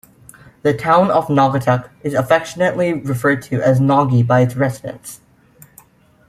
The town of Naugatuck is affectionately referred to as "Naugy" by its residents.